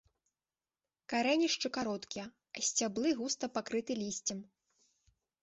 Карэнішчы кароткія, а сцяблы густа пакрыты лісцем.